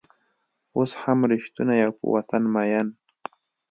اوس هم رشتونی او په وطن مین